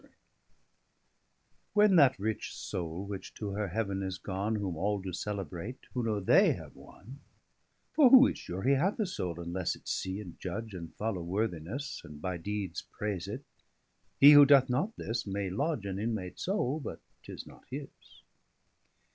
_] When that rich Soule which to her heaven is gone, Whom all do celebrate, who know they have one, (For who is sure he hath a Soule, unlesse It see, and judge, and follow worthinesse, And by Deedes praise it? hee who doth not this, 5 May lodge an In mate soule, but 'tis not his.)